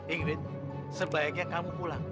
ingrid sebaiknya kamu pulang